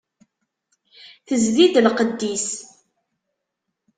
Tezdi-d lqedd-is.